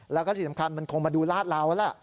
แล้วก็ที่สำคัญมันคงมาดูลาดเราแหละ